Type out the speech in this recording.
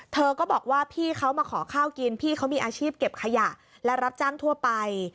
เธอก็บอกว่าพี่เขามาขอข้าวกินพี่เขามีอาชีพเก็บขยะและรับจ้างทั่วไป